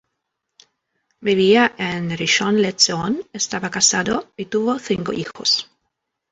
Vivía en Rishon LeZion, estaba casado y tuvo cinco hijos.